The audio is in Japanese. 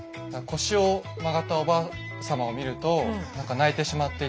腰を曲がったおばあさまを見るとなんか泣いてしまっていたとか。